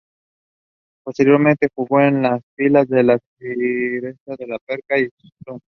Posteriormente, jugó en las filas de la Fiorentina, el Pescara y el Stuttgart.